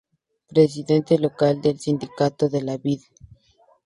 Presidente local del Sindicato de la Vid.